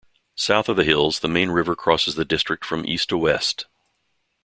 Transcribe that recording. South of the hills the Main river crosses the district from east to west.